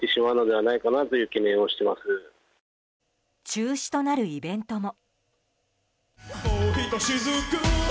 中止となるイベントも。